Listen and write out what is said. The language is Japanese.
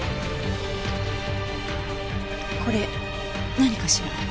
これ何かしら？